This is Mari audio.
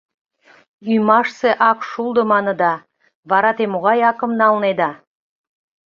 Ӱмашсе ак шулдо, маныда, вара те могай акым налнеда?